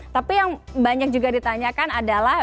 tapi yang banyak juga ditanyakan adalah